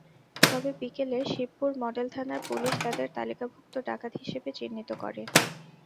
তবে বিকেলে শিবপুর মডেল থানার পুলিশ তাঁদের তালিকাভুক্ত ডাকাত হিসেবে চিহ্নিত করে।